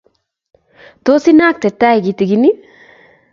Tos inang' te tai kitikin ii?